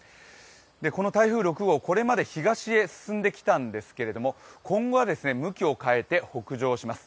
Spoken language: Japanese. この台風６号、これまで東へ進んできたんですけれども今後は向きを変えて北上します。